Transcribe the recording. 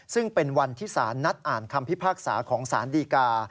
ซึ่งเป็นวันที่สารนัดอ่านคำพิพากษาของสารดีกา